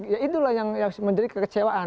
ya itulah yang menjadi kekecewaan